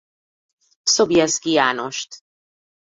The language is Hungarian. Sobieski Jánost.